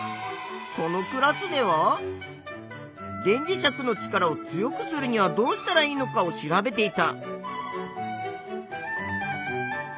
このクラスでは電磁石の力を強くするにはどうしたらいいのかを調べていた。